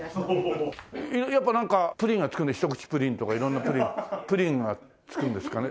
やっぱなんかプリンが付くんで一口プリンとか色んなプリンプリンは付くんですかね？